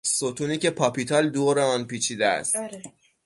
ستونی که پاپیتال دور آن پیچیده است.